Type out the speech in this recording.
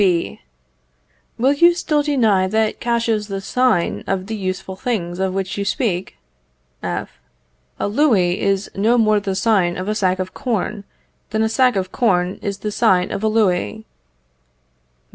B. Will you still deny that cash is the sign of the useful things of which you speak? F. A louis is no more the sign of a sack of corn, than a sack of corn is the sign of a louis.